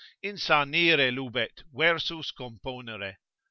Insanire lubet, i. versus componere.